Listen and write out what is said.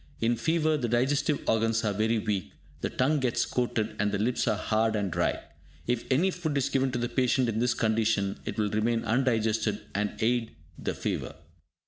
In fever the digestive organs are very weak, the tongue gets coated, and the lips are hard and dry. If any food is given to the patient in this condition, it will remain undigested and aid the fever.